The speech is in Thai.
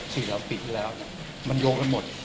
สี่ล้านปีที่แล้วมันโยงมาหมด